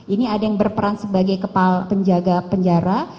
ini ada yang berperan sebagai kepala penjaga penjara